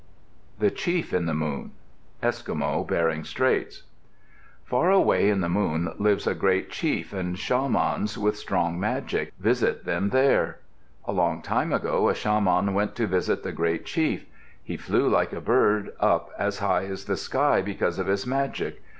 THE CHIEF IN THE MOON Eskimo (Bering Straits) Far away in the moon lives a great chief and shamans with strong magic visit him there. A long time ago a shaman went to visit the great chief. He flew like a bird up as high as the sky because of his magic.